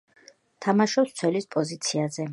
თამაშობს მცველის პოზიციაზე.